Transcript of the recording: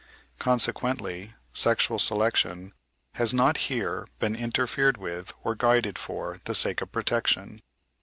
Consequently, sexual selection has not here been interfered with or guided for the sake of protection.